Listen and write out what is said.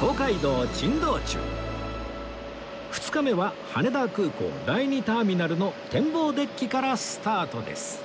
２日目は羽田空港第２ターミナルの展望デッキからスタートです